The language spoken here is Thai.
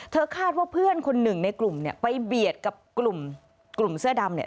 เธอคาดว่าเพื่อนคนหนึ่งในกลุ่มไปเบียดกับกลุ่มเสื้อดำ